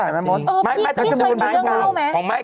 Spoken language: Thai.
เออพี่มีเรื่องเล่าไหม๓๐๐พี่ช่วยมีเรื่องเล่าไหม